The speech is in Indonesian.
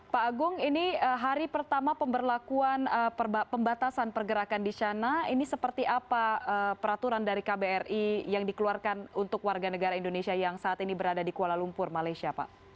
pak agung ini hari pertama pembatasan pergerakan di sana ini seperti apa peraturan dari kbri yang dikeluarkan untuk warga negara indonesia yang saat ini berada di kuala lumpur malaysia pak